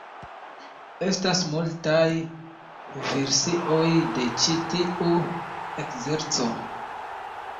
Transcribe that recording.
Estas multaj versioj de ĉi tiu ekzerco.